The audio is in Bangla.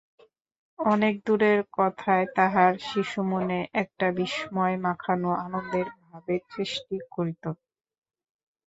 অনেক দূরের কথায় তাহার শিশুমনে একটা বিস্ময়মাখানো আনন্দের ভাবের সৃষ্টি করিত।